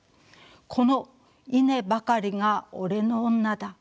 「このイネばかりが俺の女だ」。